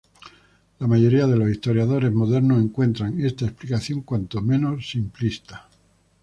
La mayoría de los historiadores modernos encuentran esta explicación cuando menos "simplista".